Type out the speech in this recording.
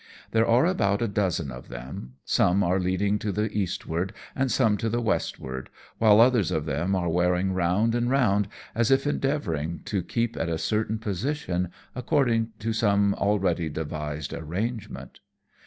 There are about a dozen of them ; some are leading to the eastward and some to the westward ; while others of them are wearing round and round, as if endeavouring to keep in a certain position, according to some already devised arrangement.